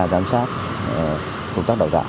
giám sát công tác đào tạo